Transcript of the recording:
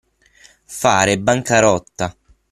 Fare bancarotta.